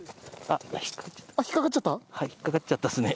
引っかかっちゃったですね。